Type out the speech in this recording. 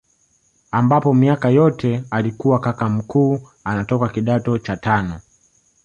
Ambapo miaka yote alikuwa kaka mkuu anatoka kidato cha tano